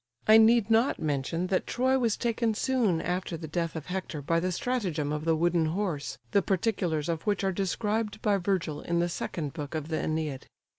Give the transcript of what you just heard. I need not mention that Troy was taken soon after the death of Hector by the stratagem of the wooden horse, the particulars of which are described by Virgil in the second book of the Æneid.